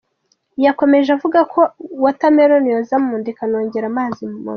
Yakomeje avuga ko Watermelon yoza mu nda ikanongera amazi mu mubiri.